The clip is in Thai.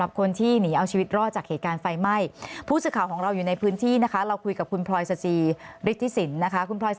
เบื้องต้นเนี่ยจากการสอบถามเจ้าหน้าที่ที่เข้าไปเป็นชุดสุดท้ายนะคะ